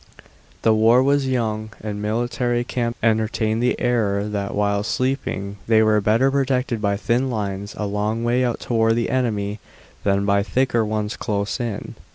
The war was young, and military camps entertained the error that while sleeping they were better protected by thin lines a long way out toward the enemy than by thicker ones close in.